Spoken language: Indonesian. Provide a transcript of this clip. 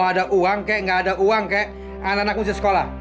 kalau ada uang kek nggak ada uang kek anak anak mesti sekolah